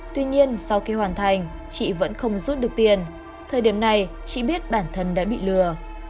tuy nhiên sau khi hoàn thành chị vẫn không rút được tiền thời điểm này chị biết bản thân đã bị lừa